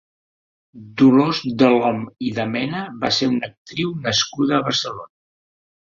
Dolors Delhom i de Mena va ser una actriu nascuda a Barcelona.